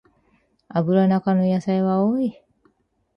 アブラナ科の野菜は多い